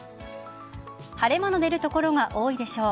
晴れ間の出る所が多いでしょう。